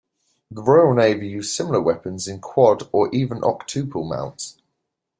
The Royal Navy used similar weapons in quad or even octuple mounts.